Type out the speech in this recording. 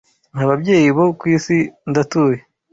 'Nta babyeyi bo ku isi ndatuye: